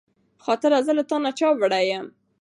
خاطره زه له تا نه چا وړې يم